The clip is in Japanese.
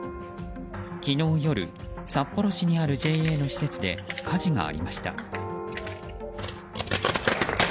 昨日夜、札幌市にあるＪＡの施設で火事がありました。